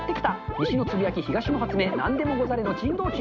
西のつぶやき、東の発明、なんでもござれの珍道中。